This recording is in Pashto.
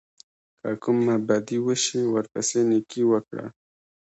که کومه بدي وشي ورپسې نېکي وکړئ.